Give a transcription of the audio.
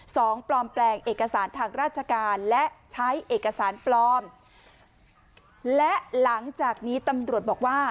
ปลอมแปลงเอกสารทางราชการและใช้เอกสารปลอมและหลังจากนี้ตำรวจบอกว่า